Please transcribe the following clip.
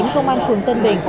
công an phường tân bình